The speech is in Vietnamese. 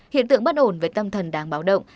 hiện tượng bất ổn về tâm thần đáng báo động